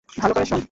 ভালো করে শোন।